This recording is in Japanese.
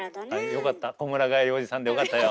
よかったこむら返りおじさんでよかったよ。